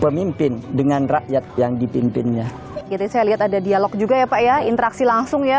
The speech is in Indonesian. pemimpin dengan rakyat yang dipimpinnya itu saya lihat ada dialog juga ya pak ya interaksi langsung ya